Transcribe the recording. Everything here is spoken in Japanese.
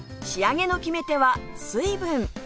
仕上げの決め手は水分